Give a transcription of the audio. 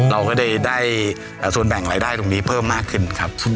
เราก็ได้ส่วนแบ่งรายได้ตรงนี้เพิ่มมากขึ้นครับ